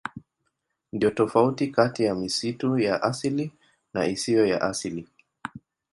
Ndiyo tofauti kati ya misitu ya asili na isiyo ya asili.